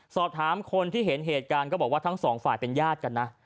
สอบถามคนที่เห็นเหตุการณ์ก็บอกว่าทั้งสองฝ่ายเป็นญาติกันนะ